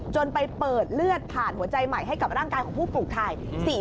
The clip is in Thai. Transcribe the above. ไปเปิดเลือดผ่านหัวใจใหม่ให้กับร่างกายของผู้ปลูกไทย